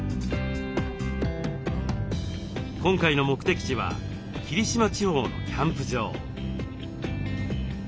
今回の目的地は霧島地方のキャンプ場。